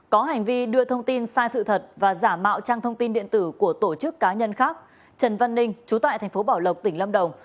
có hành vi đưa thông tin sai sự thật và giả mạo trang thông tin điện tử của tổ chức cá nhân khác trần văn ninh chú tại tp bảo lộc tỉnh lâm đồng